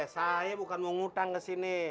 saya bukan mau hutang ke sini